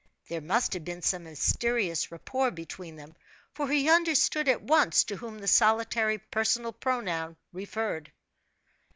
There must have been some mysterious rapport between them, for he understood at once to whom the solitary personal pronoun referred.